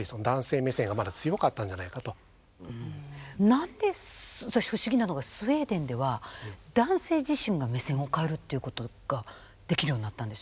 何で私不思議なのがスウェーデンでは男性自身が目線を変えるっていうことができるようになったんでしょうか。